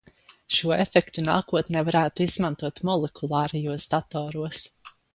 Šo efektu nākotnē varētu izmantot molekulārajos datoros.